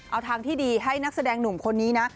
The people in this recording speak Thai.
เอาทางที่ดีให้นักแสดงหนุ่มคนนี้นะ